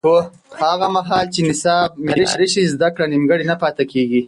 هغه مهال چې نصاب معیاري شي، زده کړه نیمګړې نه پاتې کېږي.